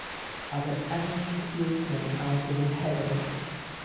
Other energy use may also be regulated.